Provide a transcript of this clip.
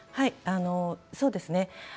そうですね。